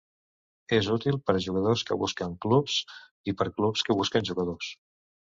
És útil per a jugadors que busquen clubs, i per clubs que busquen jugadors.